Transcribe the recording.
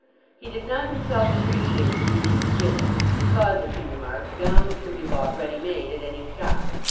He did not himself appreciate the reasons given because, as he remarked, gowns can be bought ready made at any shop.